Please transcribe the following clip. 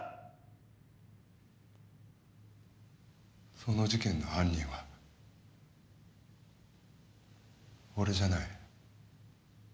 その事件の犯人は俺じゃない。